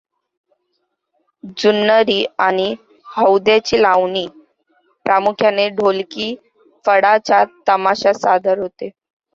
जुन्नरी आणि हौद्याची लावणी प्रामुख्याने ढोलकी फडाच्या तमाशात सादर होते.